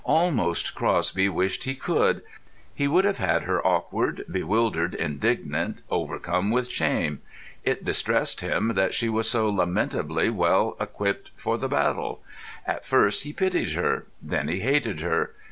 Almost Crosby wished you could. He would have had her awkward, bewildered, indignant, overcome with shame; it distressed him that she was so lamentably well equipped for the battle. At first he pitied her, then he hated her.